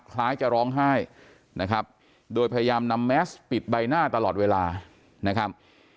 คล้ายจะร้องไห้นะครับโดยพยายามนำแมสปิดใบหน้าตลอดเวลานะครับ